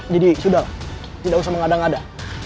jadi sudah tidak usah mengada ngada